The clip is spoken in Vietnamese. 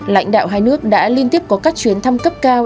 lãnh đạo hai nước đã liên tiếp có các chuyến thăm cấp cao